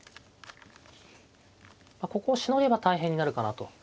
ここをしのげば大変になるかなと。